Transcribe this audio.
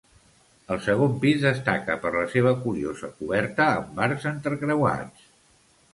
El segon pis destaca per la seva curiosa coberta amb arcs entrecreuats.